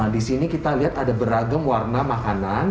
di sini kita lihat ada beragam warna makanan